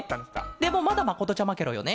でもまだまことちゃまケロよね？